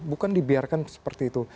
bukan dibiarkan seperti itu